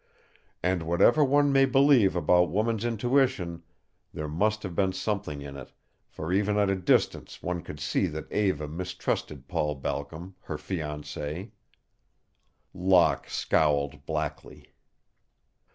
And, whatever one may believe about woman's intuition, there must have been something in it, for even at a distance one could see that Eva mistrusted Paul Balcom, her fiancé. Locke scowled blackly.